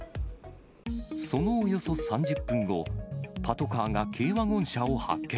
そのおよそ３０分後、パトカーが軽ワゴン車を発見。